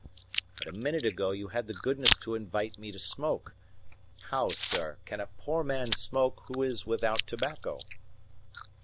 But a minute ago you had the goodness to invite me to smoke. How, sir, can a poor man smoke who is without tobacco?"